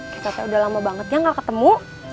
kita kayak udah lama banget ya gak ketemu